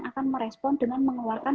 akan merespon dengan mengeluarkan